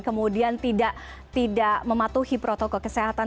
kemudian tidak mematuhi protokol kesehatan